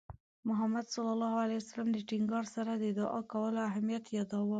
محمد صلى الله عليه وسلم د ټینګار سره د دُعا کولو اهمیت یاداوه.